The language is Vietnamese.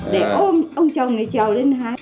để ôm ông chồng này trèo lên hái